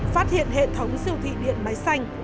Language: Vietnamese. phát hiện hệ thống siêu thị điện máy xanh